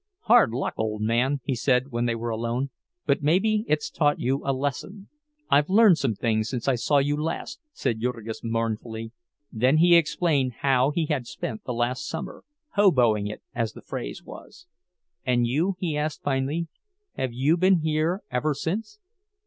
"Hard luck, old man," he said, when they were alone; "but maybe it's taught you a lesson." "I've learned some things since I saw you last," said Jurgis mournfully. Then he explained how he had spent the last summer, "hoboing it," as the phrase was. "And you?" he asked finally. "Have you been here ever since?"